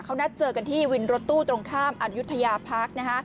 เขานัดเจอกันที่วินรถตู้ตรงข้ามอายุทยาพัก